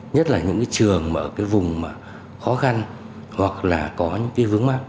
nhất là những trường ở vùng khó khăn hoặc là có những vướng mắt